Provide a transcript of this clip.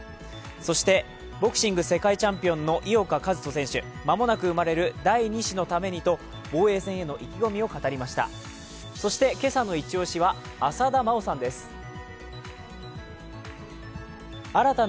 そしてボクシング世界チャンピオンの井岡一翔選手、間もなく生まれる第２子のためにと防衛戦への意気込みを語りました。